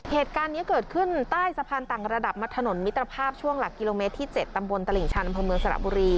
เหตุการณ์นี้เกิดขึ้นใต้สะพานต่างระดับมาถนนมิตรภาพช่วงหลักกิโลเมตรที่๗ตำบลตลิ่งชันอำเภอเมืองสระบุรี